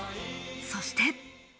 そして。